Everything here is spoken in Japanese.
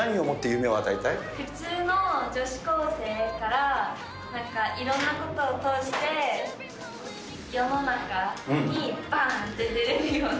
普通の女子高生から、なんか、いろんなことを通して世の中にばーんと出れるような。